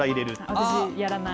私、やらない。